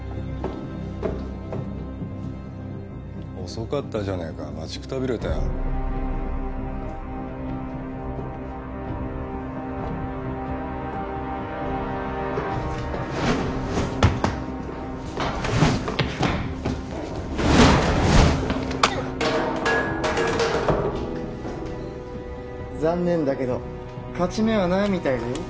遅かったじゃねえか待ちくたびれたよ残念だけど勝ち目はないみたいだよ